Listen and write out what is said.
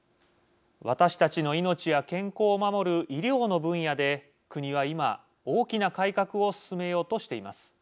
私たちの命や健康を守る医療の分野で国は今大きな改革を進めようとしています。